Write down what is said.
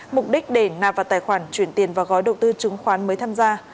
mục đích để nạp vào tài khoản chuyển tiền và gói đầu tư trường khoán mới tham gia